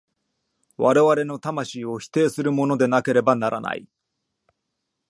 我々の魂を否定するものでなければならない。